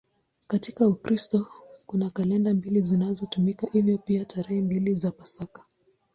Katika Ukristo kuna kalenda mbili zinazotumika, hivyo pia tarehe mbili za Pasaka.